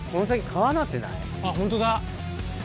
あっホントだ。